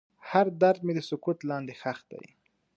هر درد مې د سکوت لاندې ښخ دی.